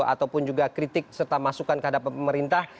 ataupun juga kritik serta masukan kehadapan pemerintah